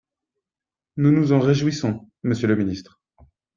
Nous nous en réjouissons, monsieur le ministre.